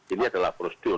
ini adalah prosedur